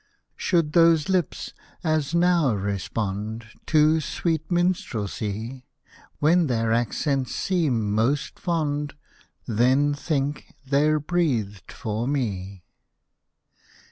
Should those lips as now respond To sweet minstrelsy, When their accents seem most fond, Then think they're breathed for me.